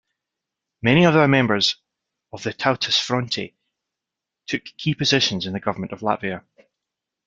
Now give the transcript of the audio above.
Many other members of Tautas fronte took key positions in the government of Latvia.